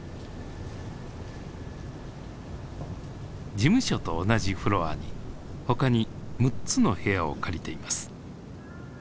事務所と同じフロアに他に６つの部屋を借りています。